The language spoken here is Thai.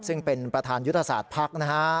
ซึ่งเป็นประธานยุทธศาสตร์ภักดิ์นะฮะ